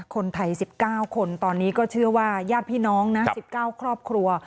คนไทย๑๙คนตอนนี้ก็เชื่อว่าญาติพี่น้องนะ๑๙ครอบครัว